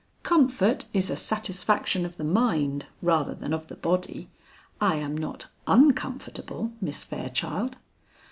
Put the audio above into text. "Comfort is a satisfaction of the mind, rather than of the body. I am not _un_comfortable, Miss Fairchild."